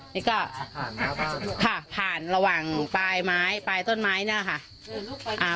นี่ก็ผ่านระหว่างปลายไม้ปลายต้นไม้นี่แหละค่ะ